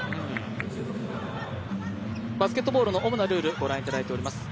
バスケットボールの主なルールご覧いただいています。